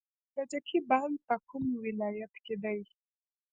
د کجکي بند په کوم ولایت کې دی؟